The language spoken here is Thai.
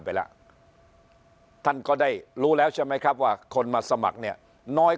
ไปแล้วท่านก็ได้รู้แล้วใช่ไหมครับว่าคนมาสมัครเนี่ยน้อย